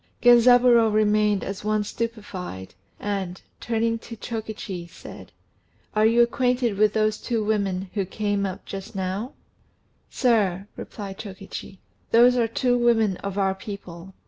Genzaburô remained as one stupefied, and, turning to Chokichi, said, "Are you acquainted with those two women who came up just now?" "Sir," replied Chokichi, "those are two women of our people.